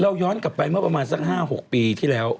ย้อนกลับไปเมื่อประมาณสัก๕๖ปีที่แล้ว